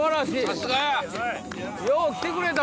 さすが！よう来てくれた。